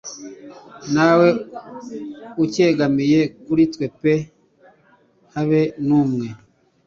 Nawe, ukegamiye kuri twe pe habe numwe,